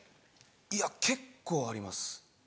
いや結構あります。